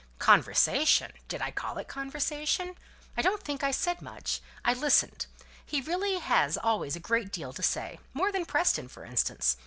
"Conversation! did I call it conversation? I don't think I said much. I listened. He really has always a great deal to say. More than Preston, for instance.